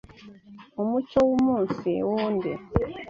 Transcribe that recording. umucyo w’umunsi w'undi